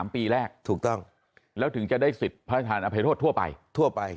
๓ปีแรกถูกต้องแล้วถึงจะได้สิทธิ์พระธานอภัยโทษทั่วไปทั่วไป